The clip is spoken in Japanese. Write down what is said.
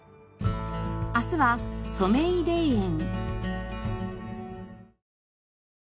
明日は染井霊園。